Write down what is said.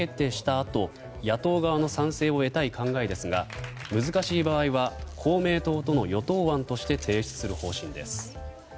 あと野党側の賛成を得たい考えですが難しい場合は公明党との与党案として提出する方針です。